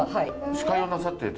司会をなさってて。